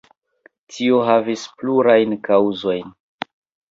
Tio havis plurajn kaŭzojn.